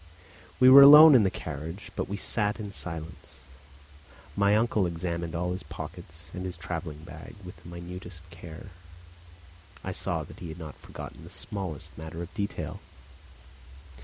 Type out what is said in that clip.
We were alone in the carriage, but we sat in silence. My uncle examined all his pockets and his travelling bag with the minutest care. I saw that he had not forgotten the smallest matter of detail.